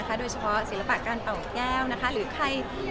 ขอไปดูเข้ามือเซียมบ่อย